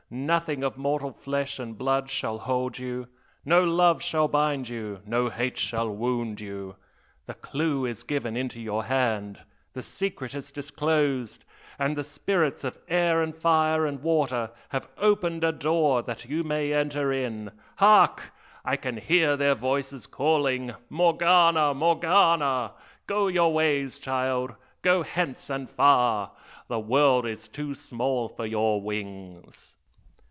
Nothing of mortal flesh and blood shall hold you no love shall bind you, no hate shall wound you! the clue is given into your hand, the secret is disclosed and the spirits of air and fire and water have opened a door that you may enter in! Hark! I can hear their voices calling "Morgana! Morgana!" Go your ways, child! go hence and far! the world is too small for your wings!'